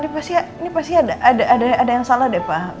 ini pasti ada yang salah deh pak